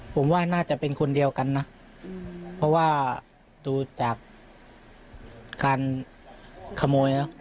ผมว่าน่าจะเป็นคนเดียวกันนะเพราะว่าดูจากการขโมยแล้ว